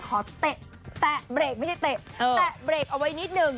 เตะแตะเบรกไม่ใช่เตะแตะเบรกเอาไว้นิดนึง